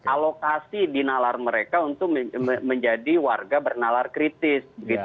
alokasi di nalar mereka untuk menjadi warga bernalar kritis